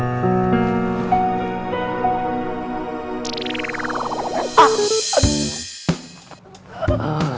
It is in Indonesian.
kerjaan aku banyak yang terbengkalai mak